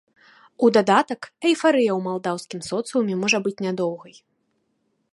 У дадатак, эйфарыя ў малдаўскім соцыуме можа быць нядоўгай.